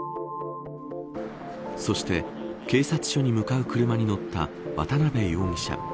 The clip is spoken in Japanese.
そして警察署に向かう車に乗った渡辺容疑者。